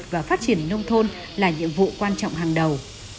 và phát triển nông thôn là nhiệm vụ quan trọng hàng đầu